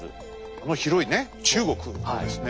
あの広いね中国をですね